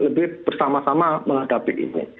lebih bersama sama menghadapi ini